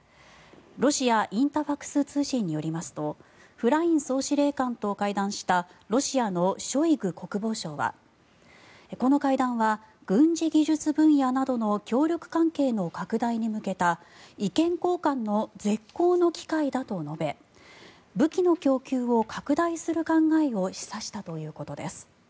ロシア、インタファクス通信によりますとフライン総司令官と会談したロシアのショイグ国防相はこの会談は軍事技術分野などの協力関係の拡大に向けた意見交換の絶好の機会だと述べ武器の供給を拡大する考えを示唆したということです。